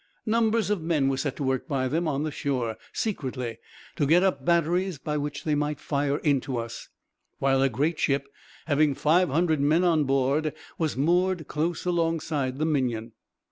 "Numbers of men were set to work by them on the shore, secretly, to get up batteries by which they might fire into us; while a great ship, having 500 men on board, was moored close alongside the Minion.